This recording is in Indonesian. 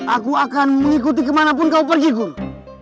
aku akan mengikuti kemanapun kau pergi kum